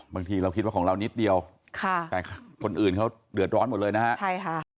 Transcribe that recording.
บางทีเราคิดว่าของเรานิดเดียวค่ะแต่คนอื่นเขาเดือดร้อนหมดเลยนะฮะใช่ค่ะ